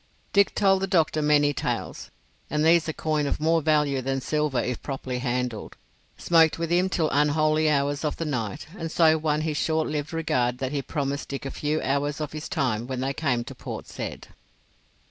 Dick told the doctor many tales—and these are coin of more value than silver if properly handled—smoked with him till unholy hours of the night, and so won his short lived regard that he promised Dick a few hours of his time when they came to Port Said.